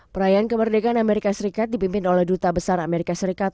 perayaan kemerdekaan amerika serikat dipimpin oleh duta besar amerika serikat